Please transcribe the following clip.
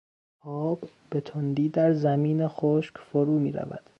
آب به تندی در زمین خشک فرو میرود.